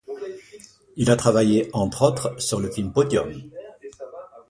Il a travaillé entre autres sur le film Podium.